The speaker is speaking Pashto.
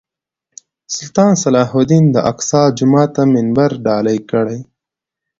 سلطان صلاح الدین د الاقصی جومات ته منبر ډالۍ کړی.